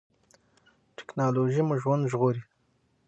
ټیکنالوژي مو ژوند ژغوري